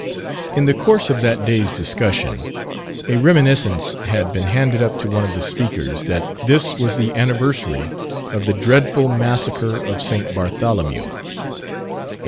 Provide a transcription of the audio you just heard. In the course of that day's discussion, a reminiscence had been handed up to one of the speakers, that this was the anniversary of the dreadful massacre of St. Bartholomew: the rev.